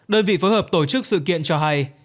đơn vị phối hợp tổ chức sự kiện cho hay